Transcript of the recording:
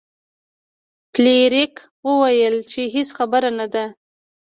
فلیریک وویل چې هیڅ خبره نه ده.